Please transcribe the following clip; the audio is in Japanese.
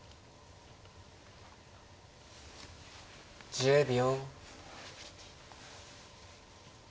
１０秒。